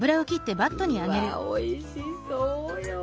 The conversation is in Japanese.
うわおいしそうよ。